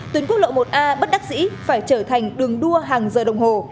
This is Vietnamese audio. tuyến quốc lộ một a bất đắc dĩ phải trở thành đường đua hàng giờ đồng hồ